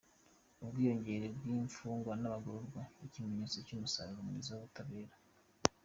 Ubwiyongere bw’imfungwa n’abagororwa, ikimenyetso cy’umusaruro mwiza w’ubutabera.